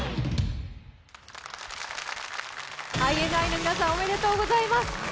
ＩＮＩの皆さんおめでとうございます！